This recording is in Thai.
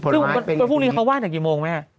แล้วพรุ่งนี้เขาไหว้ตั้งกี่โมงไหม